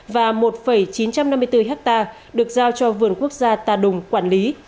và một chín trăm năm mươi bốn hectare được giao cho vườn quốc gia tà đùng quản lý